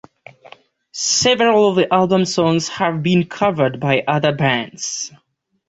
Several of the album's songs have been covered by other bands.